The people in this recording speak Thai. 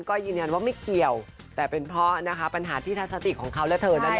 ก็ยืนยันว่าไม่เกี่ยวแต่เป็นเพราะนะคะปัญหาที่ทัศนติของเขาและเธอนั่นเอง